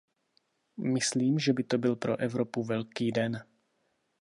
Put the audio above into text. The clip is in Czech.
Myslím, že by to byl pro Evropu velký den.